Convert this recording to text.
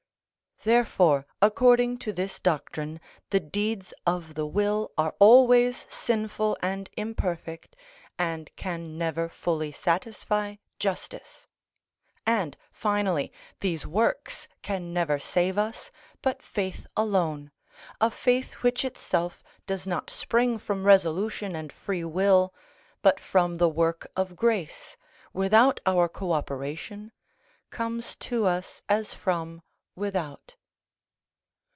Therefore according to this doctrine the deeds of the will are always sinful and imperfect, and can never fully satisfy justice; and, finally, these works can never save us, but faith alone, a faith which itself does not spring from resolution and free will, but from the work of grace, without our co operation, comes to us as from without.